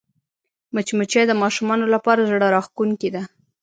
مچمچۍ د ماشومانو لپاره زړهراښکونکې ده